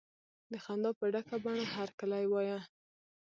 د خندا په ډکه بڼه هرکلی وایه.